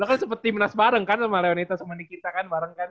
lo kan seperti tim nas bareng kan sama leonita sama nikita kan bareng kan